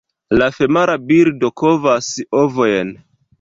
La femala birdo kovas ovojn.